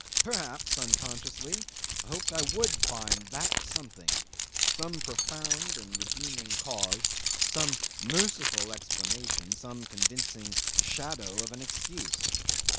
Perhaps, unconsciously, I hoped I would find that something, some profound and redeeming cause, some merciful explanation, some convincing shadow of an excuse.